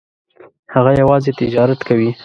هغه یوازې تجارت کوي.